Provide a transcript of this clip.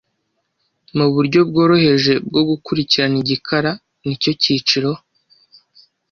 Muburyo bworoheje bwo gukurikirana igikara nicyo cyiciro